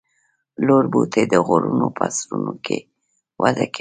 لوړ بوټي د غرونو په سرونو کې وده کوي